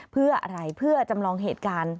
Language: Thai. เพื่ออะไรเพื่อจำลองเหตุการณ์